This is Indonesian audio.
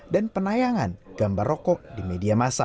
dan penayangan gambar rokok di media masa